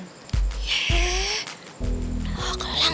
heeeh oke langsung